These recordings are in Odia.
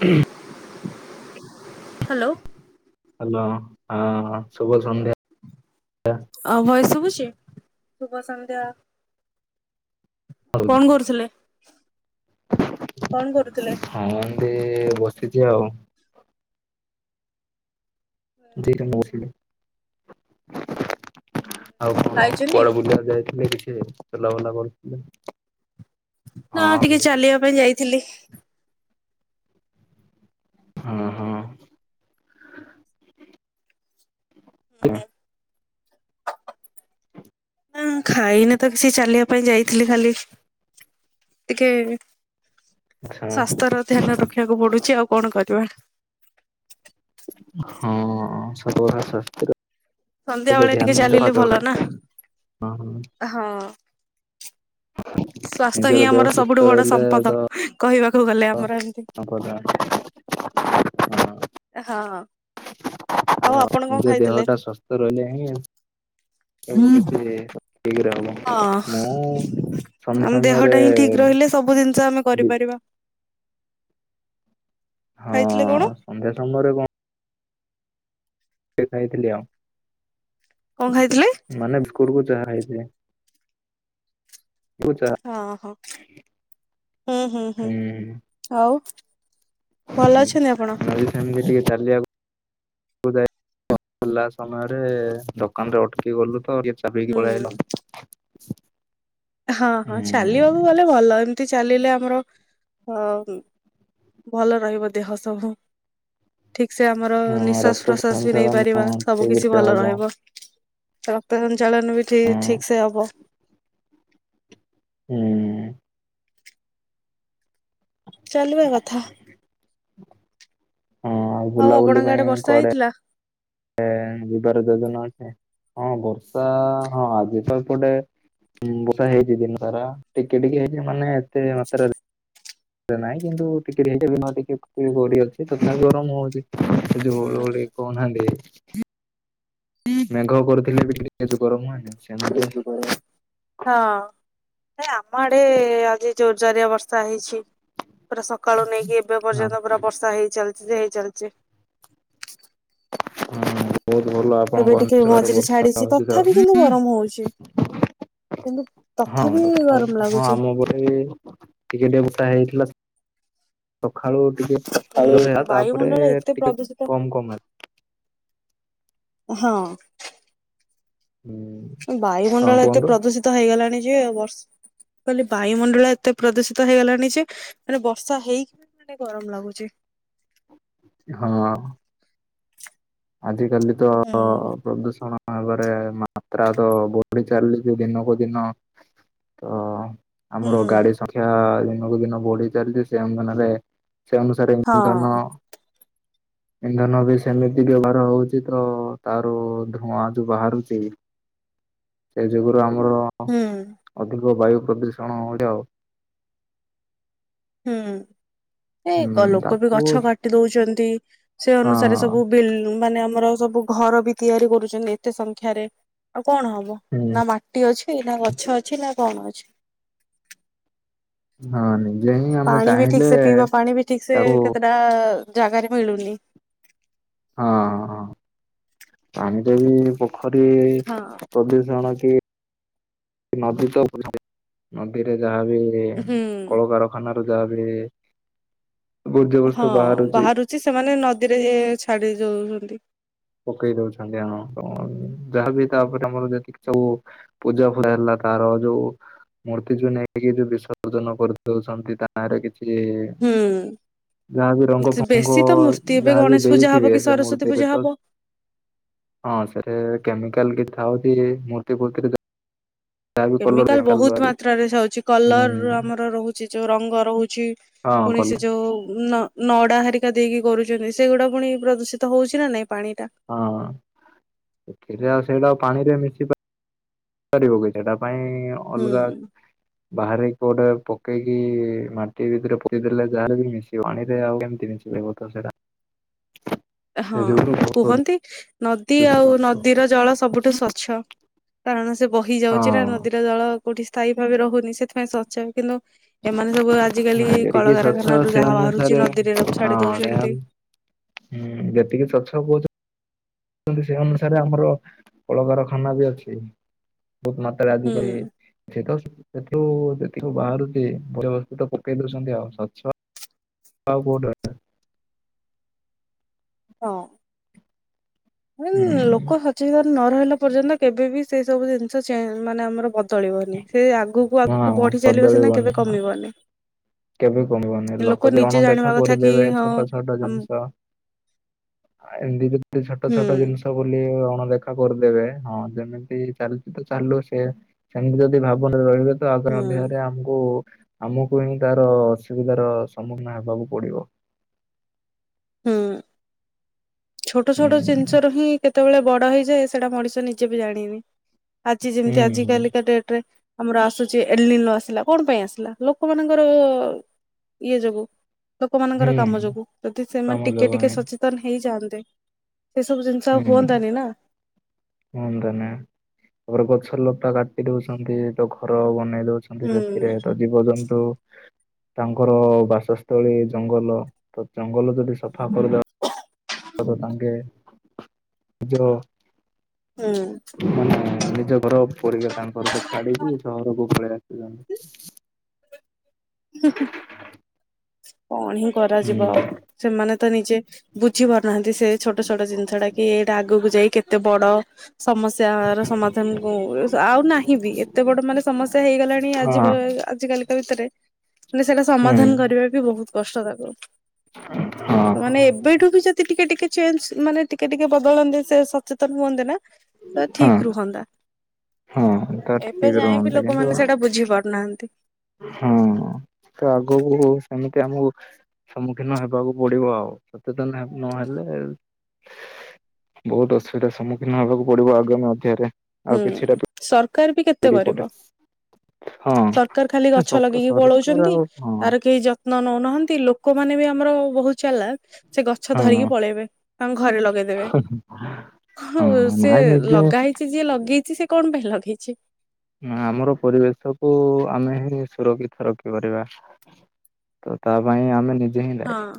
ହୁଁ ହ୍ୟାଲୋ ହାଲୋ ହଁ ସୁଭ ସନ୍ଧ୍ୟା ଆଉ ଭଏସ୍ ଶୁଭୁଛି ଶୁଭ ସନ୍ଧ୍ୟା କଣ କରୁଥିଲେ କଣ କରୁଥିଲେ? ହଁ ଏମିତି ବସିଛି ଆଉ [unintelligible] ଆଉ କଣ ଖାଇଛନ୍ତି? କୁଆଡେ ବୁଲିବାକୁ ଯାଇଥିଲେ କିଛି ଚଲାବୁଲା କରୁଥିଲେ ନା ହଁ ଟିକେ ଚାଲିବା ପାଇଁ ଯାଇଥିଲି। ହଁ ହଁ ହୁଁ ନା ଖାଇନେ ତ କିଛି ଚାଲିବା ପାଇଁ ଯାଇଥିଲି ଖାଲି ଟିକେ ଆଚ୍ଛା ସ୍ଵାସ୍ଥ୍ୟର ଧ୍ୟାନ ରଖିବାକୁ ପଡୁଛି ଆଉ କଣ କରିବା? ହଁ ସବୁ ଗୁଡ଼ା ସ୍ୱାସ୍ଥ୍ୟର ସନ୍ଧ୍ୟା ବେଳେ ଟିକେ ଚାଲିଲେ ଭଲ ନା ଦରକାର ହଁ ହଁ। ସ୍ଵାସ୍ଥ୍ୟ ହିଁ ନିଜର ଦେହ ଆମର ସୁସ୍ଥ ସବୁଠୁ ବଡ ରହିଲେ ସମ୍ପଦ ତ କହିବାକୁ ଗଲେ ଆମର ଏମତି ସମ୍ପଦ ହଁ ହଁ ହଁ ହ ନିଜ ଦେହ ଟା ଶ [unintelligible] ହଁ ଆମ ସମୟରେ ଦେହଟା ହିଁ ଠିକ ରହିଲେ ସବୁ ଜିନିଷ ଆମେ ବି କରିପାରିବା। ହଁ ଖାଇଥିଲେ କଣ? ସନ୍ଧ୍ୟା ସମୟରେ କଣ ଟିକେ ଖାଇଥିଲି ଆଉ। କଣ ଖାଇଥିଲେ? ମାନେ ବିସ୍କୁଟୁ କୁ ଚାହା ଖାଇଥିଲି। ଚା ହଁ ହଁ ହୁଁ ହୁଁ ହୁଁ। ଆଉ ଭଲ ଅଛନ୍ତି ଆପଣ? ଏଇ ସେମିତି ଟିକେ ଚାଲିଆକୁ କୁ ଯାଇ ଲା ସମୟରେ ଦୋକାନେରେ ଅଟକି ଗଲୁ ତ ଟିକେ ଚ ଚା ହୁଁ ପିଇକି ପଳେଇ ଆଇଲୁ। ହଁ ହଁ ହୁଁ ଚାଲିବାକୁ ଗଲେ ଭଲ ଏମତି ଚାଲିଲେ ଆମର ଅ ଉଁ ଭଲ ରହିବ ଦେହ ସବୁ। ଠିକ୍ ସେ ଆମର ହଁ ନିଃଶ୍ୱାସ ରକ୍ତ ପ୍ରଶ୍ଵାସ ବି ନେଇପାରିବା ସଞ୍ଚାଳନ ସବୁ କିଛି ଠିକରେ ଭଲ ହବ ରହିବ। ରକ୍ତ ସଞ୍ଚାଳନ ବି ହୁଁ। ଠିି-ଠିକସେ ହବ। ହୁଁ। ଚାଲିବା କଥା। ହଁ ଆଉ ବୁଲାବୁଲି ଆପଣଙ୍କ ଆଡେ ପାଇଁ ବର୍ଷା କୁଆଡେ ହେଇଥିଲା? ଏ ଯିବାର ଯୋଜନା ଅଛି ହଁ ବର୍ଷା ହଁ ଆଜି ତ ଏପଟେ ହୁଁ ବର୍ଷା ହେଇଚି ଦିନ ସାରା ଟିକେ ଟିକେ ହେଇଚି ମାନେ ଏତେ ମାତ୍ରାରେ ତେ ନାଇଁ କିନ୍ତୁ ଟିକେ ଟିକେ ହେଉଚି ନହେଲେ ଟିକେ ଉଁ ବଢି ଅଛି ତଥାପି ଗରମ ହଉଚି। ଯୋଉ ହୁଁ ଓଳି କହୁ ନାହାଁନ୍ତି। ମେଘ କରୁଥିଲେ ବି ଟିକେ ଟିକେ ଯୋଉ ଗରମ ହୁଏନି। ସେମିତି [unintelligible] ହଁ ନାଇଁ ଆମ ଆଡେ ଆଜି ଜୋର ଜାରିଆ ବର୍ଷା ହେଇଛି। ପୁରା ସକାଳୁ ନେଇକି ଏବେ ହଁ ପର୍ଯ୍ୟନ୍ତ ପୁରା ବର୍ଷା ହେଇ ଚାଲଚି ଯେ ହେଇ ଚାଲଚି। ହୁଁ ହୁଁ ବହୁତ ଭଲ ଏବେ ଆପଣଙ୍କ ଟିକେ ଅଞ୍ଚଳରେ ମଝିରେ ବର୍ଷା ଛାଡିଛି ହଉଚି ତ। [unintelligible] ଗରମ ହଉଚି। ହଁ ଗରମ [unintelligible] ହଁ ଲାଗୁଛି ଆମୁକୁ ଏ ଟିକେ ଟିକେ ବର୍ଷା ହେଇଥିଲା ସଖାଳୁ ଟିକେ ଜୋରସେ ଆଉ ତାପରେ ବାୟୁମଣ୍ଡଳ ଏତେ ଟିକେ ପ୍ରଦୂଷିତ କମ୍ କମ୍ ହେ ହଁ। ହୁଁ। ଉଁ ହଁ ବାୟୁମଣ୍ଡଳ ଏତେ କୁହନ୍ତୁ ପ୍ରଦୂଷିତ ହେଇଗଲାଣି ଯେ ଆଉ ବର୍ଷ କହିଲି ବାୟୁମଣ୍ଡଳ ଏତେ ପ୍ରଦୂଷିତ ହେଇଗଲାଣି ଯେ ମାନେ ବର୍ଷା ହେଇ ଟେ ଗରମ ଲାଗୁଚି। ହଁ। ଆଜି କାଲି ତ ଅ ହୁଁ ପ୍ରଦୂଷଣ ତାପରେ ମାତ୍ରା ତ ବଢି ଚାଲିଚି ଦିନକୁ ଦିନ ତ ହୁଁ ଆମର ଗାଡି ସଂଖ୍ୟା ଦିନକୁ ଦିନ ବଢି ଚାଲିଚି ସେ ଅନୁଧାନରେ ସେ ଅନୁସାରେ ହଁ ଇନ୍ଧନ ଇନ୍ଧନ ବି ସେମି ତି ବ୍ୟବହାର ହଉଚି ତ ତାରୁ ଧୂଆଁ ଯୋଉ ବାହାରୁଚି ସେ ଜୁଗୁରୁ ଆମର ହୁଁ ଅଧିକ ବାୟୁ ପ୍ରଦୂଷଣ ହଉଚି ଆଉ। ହୁଁ ଏ କ ହୁଁ ଲୋକ ବି ତାକୁ ଗଛ କାଟି ଦଉଚନ୍ତି। ସେ ହଁ ଅନୁସାରେ ସବୁ ବିଲ୍ ଉଁ ମାନେ ଆମର ସବୁ ଘର ବି ତିଆରି କରୁଚନ୍ତି ଏତେ ସଂଖ୍ୟାରେ ଆଉ କଣ ହବ ହୁଁ ନା ମା ଟି ଅଛି ନା ଗଛ ଅଛି ନା କଣ ଅଛି। ହଁ ନିଜେ ହିଁ ଆମେ ପାଣି ବି ଠିକ ଚାହିଁଲେ ସେ ପିଇବ ପାଣି ବି ଠିକ ସେ ତାକୁ କେତେଟା ଜାଗାରେ ମିଳୁନି। ହଁ ହଁ ପାଣି ରେ ବି ପୋଖରୀ ହଁ। ପ୍ରଦୂଷଣ କି ନଦୀ ତ ହୁଏ ନଦୀରେ ଯାହା ବି ହୁଁ କଳକାର ଖାନ ର ଯାହା ବି ବର୍ଜ୍ୟବସ୍ତୁ ବାହାରୁଚି ଛି ସେମାନେ ନଦୀରେ ହେ ଛାଡି ଯଉଚନ୍ତି। ପକେଇ ଦଉଛନ୍ତି ହଁ ଯାହାବି ତାପରେ ଆମର ଯେତିକି ସବୁ ପୂଜା ଫ ହେଲା ତାର ଯୋଉ ମୂର୍ତ୍ତି ଯୋଉ ନେଇକି ଯୋଉ ବିସର୍ଜନ କରିଦଉଚନ୍ତି ତାରେ କିଛି ହୁଁ। ଯାହାବି ରଙ୍ଗ ଫଙ୍ଗ ବେଶୀ ତ ମୂର୍ତ୍ତି ଏବେ ଯାହାବି ଗଣେଶ ପୂଜା ହବ ଦେଇଥିବେ କି ସେ ସରସ୍ଵତୀ ମୂର୍ତ୍ତିରେ ପୂଜା ତ ହବ। ହଁ ସେଠେ କେମିକାଲ କି ଥାଉଛି ମୂର୍ତ୍ତି ଫୁର୍ତ୍ତି ରେ ଯ କେମିକାଲ ବହୁତ ଦରି ମାତ୍ରାରେ ହଉଛି ହୁଁ କଲର ଆମର ରହୁ ସି ଯୋଉ ରଙ୍ଗ ରହୁଛି ହଁ ପୁଣି ସେ କଲ ଯୋଉ ନ ନଡ଼ା ହେରିକା ଦେଇକି କରୁଛନ୍ତି ସେଗୁଡ଼ା ପୁଣି ପ୍ରଦୂଷିତ ହଉଛି ନା ନାଇଁ ପାଣିଟା। ହଁ କିରା ସେଟା ପାଣିରେ ମିଶି ପା ପାରିବ କି ସେଟା ପାଇଁ ହୁଁ ଅଲଗା ବାହାରେ କୋଉଟେ ପକେଇକି ମା ଟି ଭିତରେ ପୋତି ଦେଲେ ଯାହା ମିଶିବ ପାଣିରେ ଆଉ କେମିତି ମିଶିବ କ ସେଟା। ହଁ କୁହନ୍ତି ନଦୀ ଆଉ ପ୍ରଦୂଷିତ ନଦୀର ଜଳ ସବୁଠୁ ସ୍ଵଚ୍ଛ କାରଣ ସେ ବହି ଯାଉଚି ନା ହଁ ନଦୀର ଜଳ କୋଉଠି ସ୍ଥାୟୀ ଭାବେ ରହୁନି ସେଥିପାଇଁ ସଚ୍ଛ କିନ୍ତୁ ବୋ ଏମାନେ ସବୁ ଆଜିକାଲି ହଁ ଯେତିକି ସ୍ୱଚ୍ଛ କଳକାରଖାନା ରୁ ସେ ଯାହା ବାହାରୁଚି ଅନୁସାରେ ନଦୀରେ ଛାଡି ଦଉଚନ୍ତି। ହୁଁ ଯେତିକି ସ୍ୱଛ କହୁ ସେଇ ଅନୁସାରେ ଆମର କଳକାରଖାନା ବି ଅଛି ବହୁତ ମ ହୁଁ ରଜିକାଲି ସେଠୁ ସେଥିରୁ ଯେତିକି ବାହାରୁଛି ବର୍ଜ୍ୟବସ୍ତୁ ପକେଇ ଦଉଛନ୍ତି ଆଉ ସଚ୍ଛ ଆଉ କୋଉଠୁ ହଁ। ଲୋକ ହୁଁ ସଚେତନ ନ ରହିଲା ପର୍ଯ୍ୟନ୍ତ କେବେ ବିି ସେଇ ସବୁ ଜିନିଷ ମାନେ ଆମର। ତଳିବନି ସେ ଆଗକୁ ଆଗକୁ ହଁ ବଢି ଚାଲିବ ସିନା କେବେ ବଦଳିବନି କମିବନି। କେବେ କମିବନି ଲୋକ ଯ ନିଜେ କଣ ଦେଖା ଜାଣିବା କଥା କି କରିଦେବେ ହଁ ଛୋଟ ଛୋଟ ଆମ ଜିନିଷ। ଏମିତି ଯଦି ଛୋଟ ହୁଁ ଛୋଟ ଜିନିଷ। ବୋଲି ଅଣଦେଖା କରିଦେବେ ହଁ ଯେମିତି ଚାଲିଛି ତ ଚାଲୁ ସେ। ସେମିତି ଯଦି ଭାବନାରେ ରହିବେ। ଆଗାମୀ ହୁଁ। ଅଧ୍ୟାୟରେ ଆମକୁ ଆମକୁ ହିଁ ତାର ଅସୁବିଧାର ସମ୍ମୁଖୀନ ହେବାକୁ ପଡିବ। ହୁଁ। ଛୋଟ ହୁଁ ଛୋଟ ଜିନିଷ ର ହିଁ କେତେବେଳେ ବଡ ହେଇଯାଏ ସେଟା ମଣିଷ ନିଜେ ବି ଜାଣିନି। ଆଜି ହୁଁ ଯେମିତି ଆଜି ହୁଁ କାଲିକା ଡେଟ ରେ। ଆମର ଆସୁଛି ଏଲିନ ଆସିଲା କଣ ପାଇଁ ଆସିଲା ଲୋକମାନଙ୍କର ଇଏ ଯୋଗୁ। ଲୋକମାନାନଙ୍କର କାମ ହୁଁ ଯୋଗୁ ଯଦି ସେମାନେ କାମ ଟିକେ ଦବ ଟିକେ ହିଁ ସଚେତନ ହେଇଯାଆନ୍ତେ ସେ ସବୁ ଜିନିଷ। ଆଉ ହୁଁ ହୁଅନ୍ତାନି ନା ହନ୍ଦାନେ। ତାପରେ ଗଛ ଲତା କାଟି ଦଉଛନ୍ତି ତ ଘର ବନେଇ ଦଉଛନ୍ତି ହୁଁ ସେଥିରେ ତ। ଜୀବଜନ୍ତୁ। ତାଙ୍କର ବାସସ୍ଥଳୀ ଜଙ୍ଗଲ ତ ଜଙ୍ଗଲ ଯଦି ସଫା କରିଦବା। ସାଙ୍ଗେ। [unintelligible] [inaudible] ମାନେ ନିଜ ଘର [unintelligible] ତାଙ୍କର ତ ଛାଡିକି ସହରକୁ ପଳେଇ ଆସିନ୍ତି। ହଁ। କଣ ହିଁ କରାଯିବ ହୁଁ। ଆଉ ସେମାନେ ତ ନିଜେ। ବୁଝି ପାରୁନାହାନ୍ତି ସେ ଛୋଟ ଛୋଟ ଜିନିଷ ଟା କି ଏଇଟା ଆଗକୁ ଯାଇ କେତେ ବଡ ସମ ତହାର ସମାଧାନକୁ ଆଉ ନାହିଁ ବି ଏତେ ବଡ଼ ମାନେ ସମସ୍ୟା ହେଇଗଲାଣି ହଁ ଆଜି ଆଜିକାଲି ଭିତରେ ମାନେ ସେଇଟା ହୁଁ ସମାଧାନ କରିବା ବି ବହୁତ କଷ୍ଟ ତାକୁ। [inaudible] ମାନେ ଏବେଠୁ ବି ଯଦି ଟିକେ ଟିକେ ଚେଞ୍ଜ ମାନେ ଟିକେ ଟିକେ ବଦଳନ୍ତି ସେ ସଚେତନ ହୁଅନ୍ତେ ନା ତ ଠିକ ହଁ ରୁହନ୍ତା ହଁ ତ ଏବେ ଠିକ ଯାଇ ବିି ରୁହନ୍ତା କିନ୍ତୁ ଲୋକମାନେ ସେଇଟା ବୁଝି ପାରୁନାହାନ୍ତି। ହଁ ତ ଆଗକୁ ଆମକୁ ସେମିତି ଆମକୁ ସମ୍ମୁଖୀନ ହେବାକୁ ପଡିବ ଆଉ ସଚେତନ ନହେଲେ ବହୁତ ଅସୁବିଧାର ସମ୍ମୁଖୀନ ହବାକୁ ପଡିବ ଆଗାମୀ ଅଧ୍ୟାୟରେ। ହୁଁ ଆଉ କିଛିଟା ସରକାର ବି କେତେ ପିଢି ପରେ କରିବ? ହଁ ସରକାର ଖାଲି ଗଛ ଲଗେଇକି ସରକାର ପଳଉଛନ୍ତି ଆଉ ହଁ ତାର କେହି ଯ ନ ନଉନାହାନ୍ତି ଲୋକମାନୋନେ ବି ଆମର ବହୁତ ଚାଲା ସେ ଗଛ ହଁ ଧରିକି ପଳେଇବେ ତାଙ୍କ ଘରେ ଲଗେଇଦେବେ। ହଁ ସେ ନାଇଁ ନିଜେ ଲଗା ହେଇଛି ଯିଏ ଲଗେଇଛି ସେ କଣ ପାଇଁ ଲଗେଇଛି। ଆମର ପରିବେଶକୁୁ ଆମେ ହିଁ ସୁରକ୍ଷିତ ରଖିପାରିବା। ତ ତା ପାଇଁ ଆମେ ନିଜେ ହିଁ ଦାଇ। ହଁ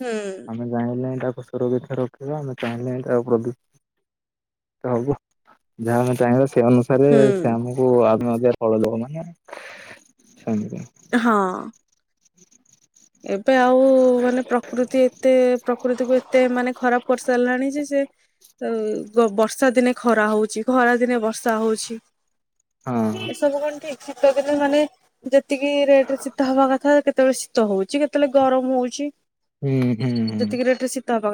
ହୁଁ ଆମେ ଚାହିଁଲେ ତାକୁ ସୁରକ୍ଷା ରଖିବା ଆମେ ଚାହିଁଲେଁ ତାକୁ ହବ ଯାହା ଆମେ ଚାହିଁବା ସେ ଅନୁ ରେ ହୁଁ ସେ ଆମକୁ [unintelligible] ଲୋକ ମାନେ ସେମତି ହଁ। ଏବେ ଆଉ ମାନେ ପ୍ରକୃତି ଏତେ ପ୍ରକୃତିକୁ ଏତେ ମାନେ ଖରାପ କରି ସାରିଲାଣି ଯେ ବର୍ଷା ଦିନେ ଖରା ହଉଛି ଖରା ଦିନେ ବର୍ଷା ହଉଛି। ହଁ। ଏସବୁ କଣ ଠିକ ଶୀତ ଦିନ ମାନେ ଯେତିକି ରେଟ ରେ ଶୀତ ହବା କଥା [unintelligible] ହଉଛି କେତେବେଳେ ଗରମ ହଉ ହୁଁ ହୁଁ ହୁଁ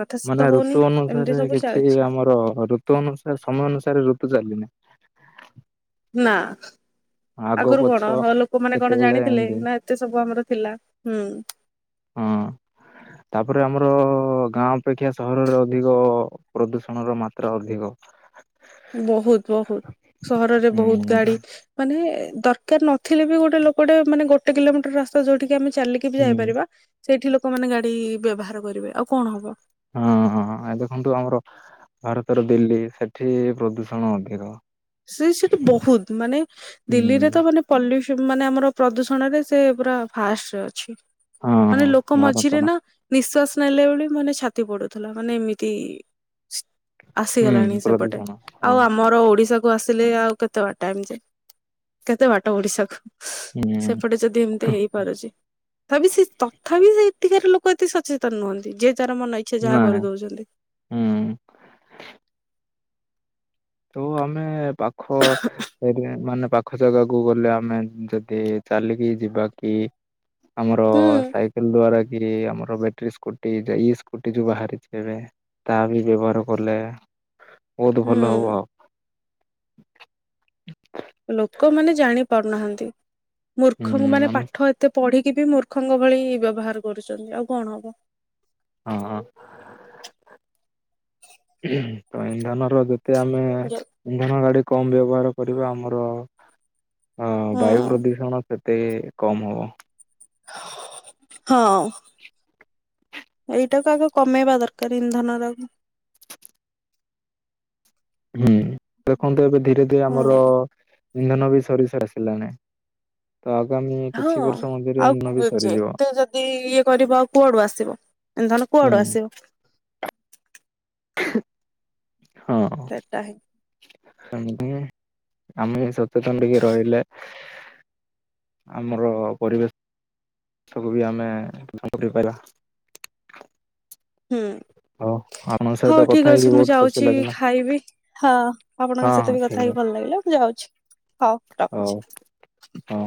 କଥା ଶୀତ ମାନେ ହଉନି ଋତୁ ଏମିତି ଅନୁସାରେ ସବୁ କିଛି ଚାଲିଛି ଆମର ଋ ଋତୁ ଅନୁସାରେ ସମୟ ଅନୁସାରେ ଋତୁ ଚାଲିନେ। ନା। ଆଗ ଆଗରୁ ପଛ କଣ ହଁ ଲୋକମାନୋ କଣ କେତେବେଳେ ଜାଣିଥିଲେ ଏମିତି ନା ଏତେ ସବୁ ଆମର ଥିଲା ହୁଁ। ହଁ। [inaudible] ତାପରେ ଆମର ଗାଁ ଅପେକ୍ଷା ସହରରେ ଅଧିକ ପ୍ରଦୂଷଣର ମାତ୍ରା ଅଧିକ ବହୁତ ବହୁତ ସହରରେ ହୁଁ ବହୁତ ଗାଡି ମାନେ ଦରକାର ନଥିଲେ ବି ଗୋଟେ ଲୋକଟେ ମାନେ ଗୋଟେ କିଲୋମିଟର ରାସ୍ତା ଯୋଉଠିକି ଆମେ ଚାଲିକି ବି ହୁଁ ଯାଇପାରିବା ସେଇଠି ଲୋକମାନେ ଗାଡି ବ୍ୟବହାର କରିବେ ଆଉ କଣ ହବ ହଁ ହଁ ଆଉ ଦେଖନ୍ତୁ ଆମର ଭାରତର ଦିଲ୍ଲୀ ସେଠି ପ୍ରଦୂଷଣ ଅଧିକ। ସେ ସେଠି ବହୁତ ମାନେ ଦିଲ୍ଲୀରେ ହୁଁ। ତ ମାନେ ପଲିସି ମାନେ ଆମର ପ୍ରଦୂଷଣରେ ସେ ପୁରା ଫାଷ୍ଟରେ ଅଛି। ହଁ ମାନେ ହଁ ଲୋକ ମଝିରେ ଭାରତର ନା ନିଶ୍ୱାସ ନେଲେ ଭଳି ମାନେ ଛାତି ପଡୁଥିଲା, ମାନେ ଏମିତି ହୁଁ ଆସିଗଲାଣି ସେପଟେ ପ୍ରଦୂଷଣ ହଁ ଆଉ ଆମର ଓଡିଶା ଆସିଲେ ଆଉ କେତେ ବାଟ ଟାଇମ ଯାଏ କେତେ ବାଟ ଓଡିଶାକୁ? ହୁଁ ସେପଟେ ଯଦି ଏମିତି ହେଇପାରୁଛି। ଥାପି ସେ ତଥାପି ସେ ଏତିକାରେ ଲୋକ ଏତେ ସଚେତନ ନୁହଁନ୍ତି ଯେ ଯାର ମନ ଇଚ୍ଛା ଯାହା ନାଇଁ କରିଦଉଛନ୍ତି। ହୁଁ। ତ ଆମେ ପାଖ [unintelligible] ମାନେ ପାଖ ଜାଗାକୁ ଗଲେ ଆମେ ଯଦି ଚାଲିକି ଯିବା କି? ଆମର ହୁଁ ସାଇକେଲ ଦ୍ଵାରା କିରେ ଆମର ବଟେରୀ ସ୍କୁଟି ଇ ସ୍କୁଟି ଯୋଉ ବାହାରିଛି ଏବେ। ତା ବି ବ୍ୟବହାର କଲେ। ବହୁତ ଭଲ ହବ ହୁଁ ଆଉ। ଲୋକମାନେ ଜାଣି ପାରୁନାହାନ୍ତି। ମୂର୍ଖ ହୁଁ ମାନେ ଆମେ ପାଠ ଏତେ ପଢିକି ବି ମୂର୍ଖଙ୍କ ଭଳି ବ୍ୟବହାର କରୁଛନ୍ତି ଆଉ କଣ ହବ? ହଁ ତ ଇନ୍ଧନ ର ଯେତେ ଆମେ ହୁଁ ଇନ୍ଧନ ଗାଡି କମ ବ୍ୟବହାର କରିବା ଆମର ଅ ବାୟୁ ହଁ ପ୍ରଦୂଷଣ ସେତେ କମ ହବ। ହଁ। ଏଇଟାକୁ ଆଗେ କମେଇବା ଦରକାରେ ଇନ୍ଧନ ର ଆକୁ ହୁଁ ଦେଖନ୍ତୁ ଏବେ ଧୀରେ ଧୀରେ ହୁଁ ଆମର ଇନ୍ଧନ ବି ସରି ସରି ଆସିଲାଣି। ତ ଆଗାମୀ ହଁ। କିଛି ବର୍ଷ ମଧ୍ୟରେ ଇନ୍ଧନ ବି ଆଉ ସରିଯିବ। ଯେତେ ଯଦି ଇଏ କରିବ ଆଉ କୁଆଡୁ ଆସିବ ଇନ୍ଧନ କୁଆଡୁ ହୁଁ ଆସିବ। ସେଟା ହିଁ ହଁ। [unintelligible] ଆମେ ସଚେତନ ଟିକେ ରହିଲେ ଆମର ପରିବେଶକୁ ବି ଆମେ ଫେରିପାଇବା। ହୁଁ ହଉ ଆପଣଙ୍କ ହଉ ସହିତ କଥା ଠିକ ଅଛି ହେଇକି ମୁଁ ବହୁତ ଖୁସି ଯାଉଛି ଲାଗିଲା ଖାଇବି। ହଁ ଆପଣଙ୍କ ହଁ ହଁ ସହିତ ବି କଥା ଠିକ ହେଇକି ଅଛି ଭଲ ଲାଗିଲା ମୁଁ ଯାଉଛି ହଉ ହଉ ରଖୁଛି। ହଁ।